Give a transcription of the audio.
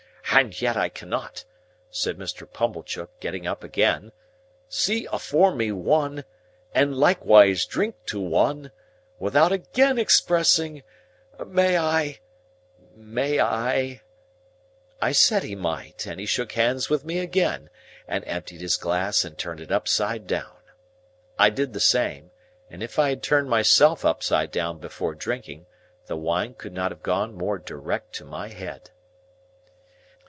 And yet I cannot," said Mr. Pumblechook, getting up again, "see afore me One—and likewise drink to One—without again expressing—May I—may I—?" I said he might, and he shook hands with me again, and emptied his glass and turned it upside down. I did the same; and if I had turned myself upside down before drinking, the wine could not have gone more direct to my head.